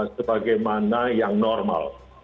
sebagaimana yang normal